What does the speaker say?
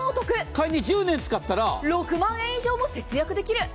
仮に１０年使ったら、６万円以上も節約できる。